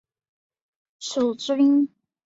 楚军用楚国方言说了一阵就退了出去。